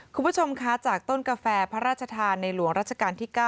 คุณผู้ชมคะจากต้นกาแฟพระราชทานในหลวงราชการที่๙